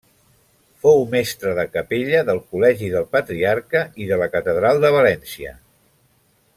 Fou mestre de capella del Col·legi del Patriarca i de la catedral de València.